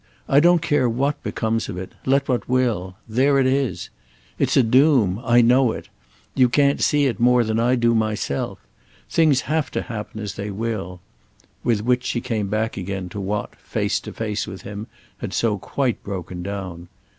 I don't care what becomes of it—let what will; there it is. It's a doom—I know it; you can't see it more than I do myself. Things have to happen as they will." With which she came back again to what, face to face with him, had so quite broken down.